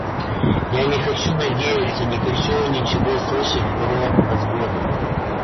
Я не хочу надеяться, не хочу ничего слышать про развод.